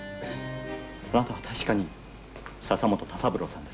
あなたは確かに笹本多三郎さんですね。